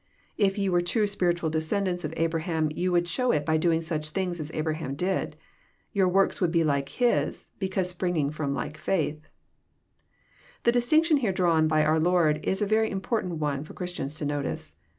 — "If ye were true spiritual descendants of Abraham, yon would show it by doing such things as Abra ham did. Your works would be like his, because springing Arom a like faith." The distinction here drawn by our Lord is a very important one for Christians to notice.